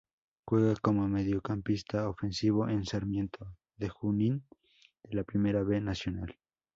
Juega como mediocampista ofensivo en Sarmiento de Junín de la Primera B Nacional.